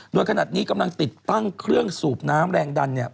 โดยขนาดนี้กำลังติดตั้งเครื่องสูบน้ำแรงดันเนี่ย